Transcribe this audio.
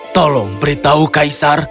tolong beritahu kaisar